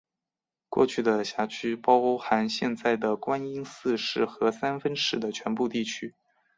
过去的辖区包含现在的观音寺市和三丰市的全部地区。